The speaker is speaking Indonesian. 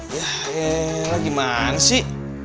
yah ya ya ya gimana sih